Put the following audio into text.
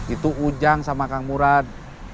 itu ujang sama kang murad